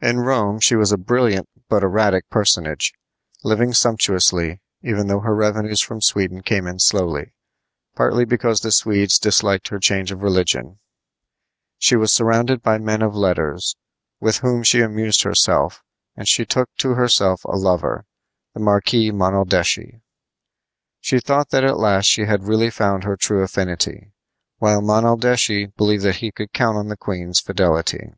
In Rome she was a brilliant but erratic personage, living sumptuously, even though her revenues from Sweden came in slowly, partly because the Swedes disliked her change of religion. She was surrounded by men of letters, with whom she amused herself, and she took to herself a lover, the Marquis Monaldeschi. She thought that at last she had really found her true affinity, while Monaldeschi believed that he could count on the queen's fidelity.